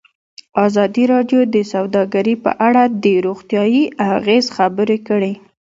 ازادي راډیو د سوداګري په اړه د روغتیایي اغېزو خبره کړې.